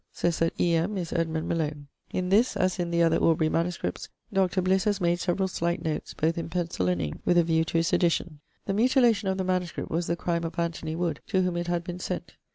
says that E. M. is Edmund Malone. In this, as in the other Aubrey MSS., Dr. Bliss has made several slight notes, both in pencil and ink, with a view to his edition. The mutilation of the MS. was the crime of Anthony Wood, to whom it had been sent.